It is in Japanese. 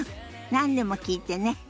何でも聞いてね。